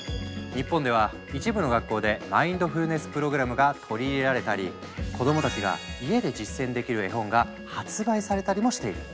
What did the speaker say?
日本では一部の学校でマインドフルネス・プログラムが取り入れられたり子どもたちが家で実践できる絵本が発売されたりもしている。